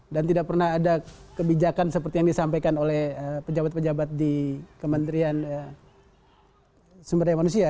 dan tidak pernah ada kebijakan seperti yang disampaikan oleh pejabat pejabat di kementerian sumber daya manusia